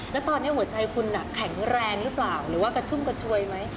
แล้วตอนนี้หัวใจคุณแข็งแรงหรือเปล่าหรือว่ากระชุ่มกระชวยไหม